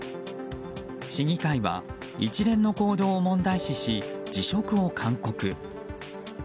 市議会は一連の行動を問題視し辞職を勧告。